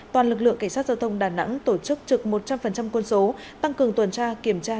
toàn lực lượng cảnh sát giao thông đà nẵng tổ chức trực một trăm linh quân số tăng cường tuần tra kiểm tra